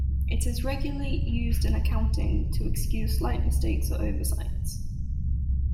It is regularly used in accounting, to excuse slight mistakes or oversights.